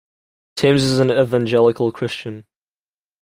Timms is an evangelical Christian.